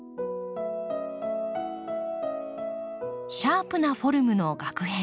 シャープなフォルムのガク片。